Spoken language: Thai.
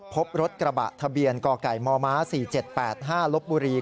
พบรถกระบะทะเบียนกไก่มม๔๗๘๕ลบบุรี